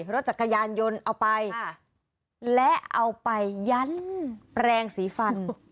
รถจักรยานยนต์เอาไปและเอาไปยั้นแปลงสีฟัน